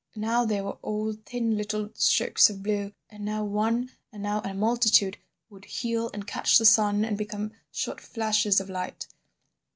Now they were all thin little strokes of blue, and now one and now a multitude would heel and catch the sun and become short flashes of light.